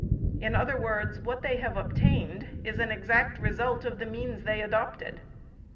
In other words, what they have obtained is an exact result of the means they adopted.